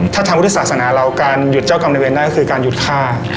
ถ้าทำพุทธศาสนาเราการหยุดเจ้ากรรมในเวรได้ก็คือการหยุดฆ่า